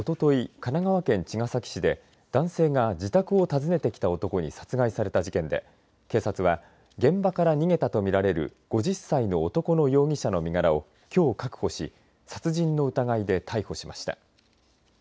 神奈川県茅ヶ崎市で男性が自宅を訪ねてきた男に殺害された事件で警察は現場から逃げたと見られる５０歳の男の容疑者の身柄をきょう確保し殺人の疑いで逮捕しました。